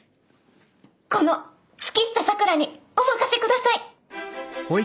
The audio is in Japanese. この月下咲良にお任せください！